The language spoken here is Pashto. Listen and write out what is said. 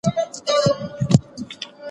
وارخطا سو ویل څه غواړې په غره کي